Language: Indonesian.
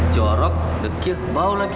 corok deket bau laki laki